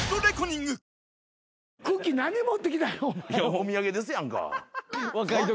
お土産ですやんか。